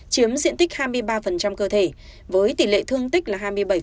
chiếm diện tích hai mươi ba cơ thể với tỷ lệ thương tích là hai mươi bảy